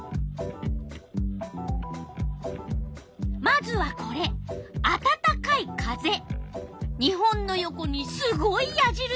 まずはこれ日本の横にすごい矢じるし。